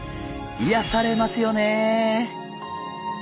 いやされますよね。